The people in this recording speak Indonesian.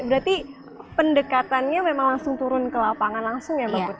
berarti pendekatannya memang langsung turun ke lapangan langsung ya mbak putri